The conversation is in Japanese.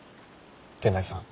源内さん。